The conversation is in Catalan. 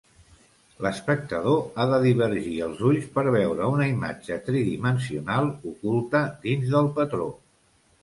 L'espectador ha de divergir els ulls per veure una imatge tridimensional oculta dins del patró.